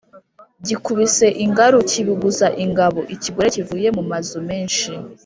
Gikubise ingaru kibuguza ingabo-Ikigore kivuye mu mazu menshi.